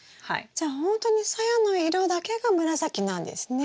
じゃあほんとにさやの色だけが紫なんですね。